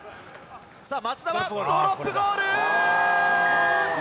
松田はドロップゴール！